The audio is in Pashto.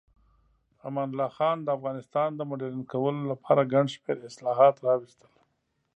امان الله خان د افغانستان د مډرن کولو لپاره ګڼ شمیر اصلاحات راوستل.